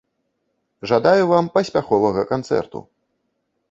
Жадаю вам паспяховага канцэрту!